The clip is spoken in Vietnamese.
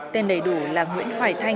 tên đầy đủ là nguyễn hoài thanh ba mươi ba